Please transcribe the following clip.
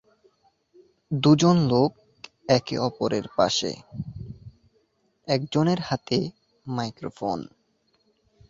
দুজন লোক একে অপরের পাশে, একজনের হাতে মাইক্রোফোন।